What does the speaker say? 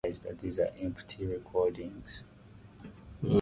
The elephants charge down on the dummy and trample it to pieces.